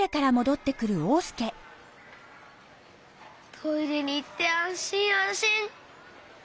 トイレにいってあんしんあんしん。